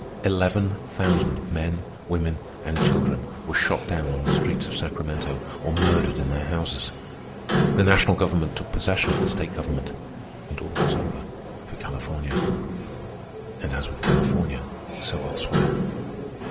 Eleven thousand men, women, and children were shot down on the streets of Sacramento or murdered in their houses. The national government took possession of the state government, and all was over for California. And as with California, so elsewhere.